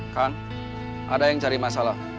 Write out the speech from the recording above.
kan ada yang cari masalah